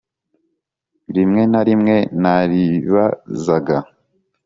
rimwe na rimwe naribazaga